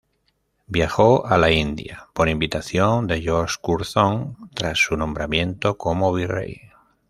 Viajó a la India por invitación de George Curzon, tras su nombramiento como virrey.